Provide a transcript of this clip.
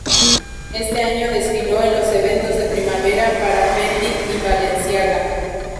Ese año desfiló en los eventos de primavera para Fendi y Balenciaga.